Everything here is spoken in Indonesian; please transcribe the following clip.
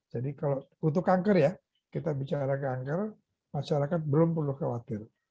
jadi kalau untuk kangker ya kita bicara kangker masyarakat belum perlu khawatir